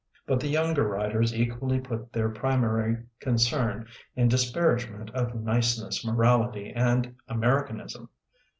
But the younger writers equally put their pri mary concern in disparagement of niceness, morality, and Americanism.